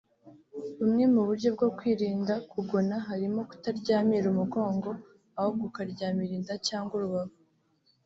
Bumwe mu buryo bwo kwirinda kugona harimo kutaryamira umugongo ahubwo ukuryamira inda cyangwa urubavu